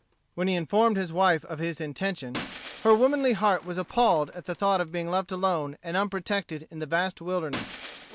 When he informed his wife of his intention, her womanly heart was appalled at the thought of being left alone and unprotected in the vast wilderness.